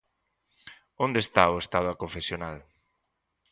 Onde está o Estado aconfesional?